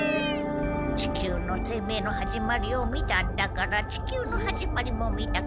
地球の生命のはじまりを見たんだから地球のはじまりも見たくないかい？